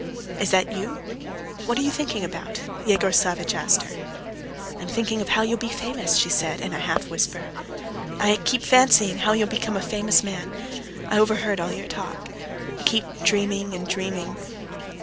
"Is that you? What are you thinking about?" Yegor Savvitch asked her. "I am thinking of how you'll be famous," she said in a half whisper. "I keep fancying how you'll become a famous man. ... I overheard all your talk. ... I keep dreaming and dreaming.